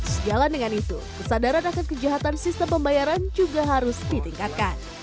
sejalan dengan itu kesadaran akan kejahatan sistem pembayaran juga harus ditingkatkan